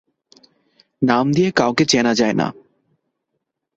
নাম দিয়ে কাউকে চেনা যায় ন।